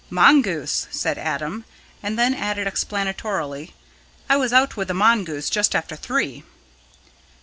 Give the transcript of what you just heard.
"Mongoose," said Adam, and then added explanatorily: "I was out with the mongoose just after three."